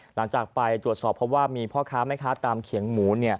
หลังจากไปตรวจสอบเพราะว่ามีพ่อค้าแม่ค้าตามเขียงหมู